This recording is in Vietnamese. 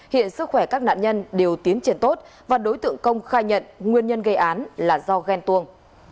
hiện sức khỏe các nạn nhân đều tiến triển tốt và đối tượng công khai nhận nguyên nhân gây án là do ghen tuông